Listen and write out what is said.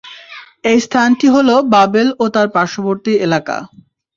এ স্থানটি হল বাবেল ও তার পার্শ্ববর্তী এলাকা।